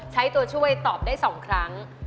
ใช้ตัวช่วยตอบได้๒ครั้ง